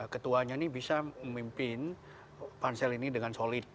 ketuanya ini bisa memimpin pansel ini dengan solid